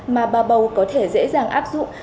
mà bà bầu có thể dễ dàng áp dụng